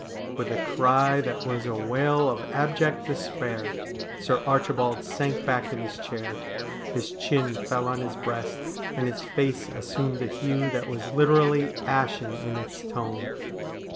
With a cry that was a wail of abject despair Sir Archi bald sank back in his chair ; his chin fell on his breast, and his face assumed a hue that was literally ashen in its tone.